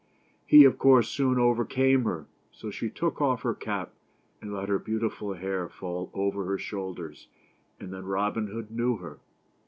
He, of course, soon over came her ; so she took off her cap, and let her beau tiful hair fall over her shoulders, and then Rob in Hood knew her.